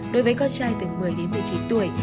đối với con trai từ một mươi đến một mươi chín tuổi